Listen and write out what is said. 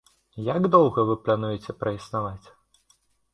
Як доўга вы плануеце праіснаваць?